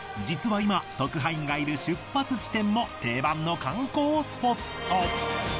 実は今特派員がいる出発地点も定番の観光スポット。